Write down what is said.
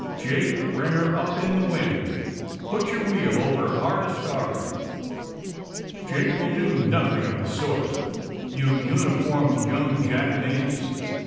"Jake, bring her up in the wind. Put your wheel over hard a starboard. " "Jake will do nothing of the sort, you uni formed young jackanapes!"